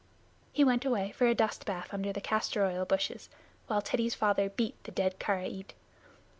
He went away for a dust bath under the castor oil bushes, while Teddy's father beat the dead Karait.